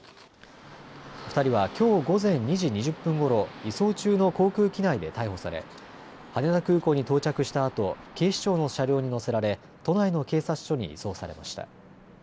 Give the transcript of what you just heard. ２人はきょう午前２時２０分ごろ、移送中の航空機内で逮捕され羽田空港に到着したあと警視庁の車両に乗せられ都内の警察署に移送されました。